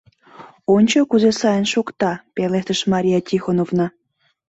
— Ончо, кузе сайын шокта, — пелештыш Мария Тихоновна.